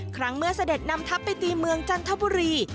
ครั้งเมื่อเสด็จนำทัพไปตีเมืองจันทบุรี